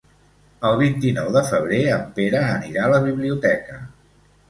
El vint-i-nou de febrer en Pere anirà a la biblioteca.